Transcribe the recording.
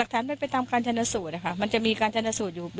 รักฐานมันไปตามการชัดหนสูจน์นะคะมันจะมีการชัดหนสูจน์อยู่